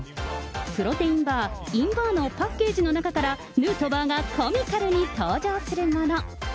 プロテインバー、インバーのパッケージの中から、ヌートバーがコミカルに登場するもの。